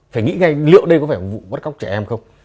phải nghĩ ngay liệu đây có phải một vụ bắt cóc trẻ em không